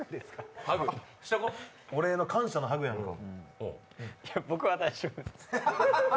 お礼の、感謝のハグやんか。